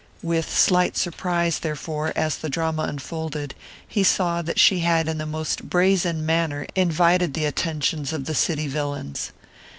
With slight surprise, therefore, as the drama unfolded, he saw that she had in the most brazen manner invited the attentions of the city villains.